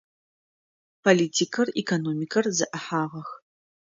Политикэр, экономикэр зэӏыхьагъэх.